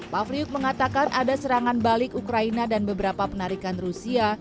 pafliut mengatakan ada serangan balik ukraina dan beberapa penarikan rusia